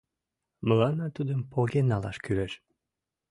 Мыланна тудым поген налаш кӱлеш!